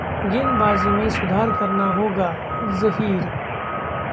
गेंदबाजी में सुधार करना होगा: जहीर